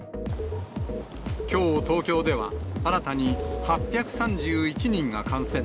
きょう、東京では、新たに８３１人が感染。